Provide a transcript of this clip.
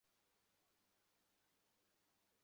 কী, তারা সবাই হঠাৎ করে হাজির হয়েছে?